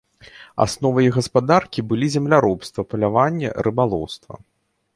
Асновай іх гаспадаркі былі земляробства, паляванне, рыбалоўства.